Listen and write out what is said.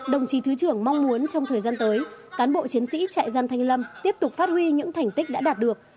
đồng chí thứ trưởng mong muốn trong thời gian tới cán bộ chiến sĩ trại giam thanh lâm tiếp tục phát huy những thành tích đã đạt được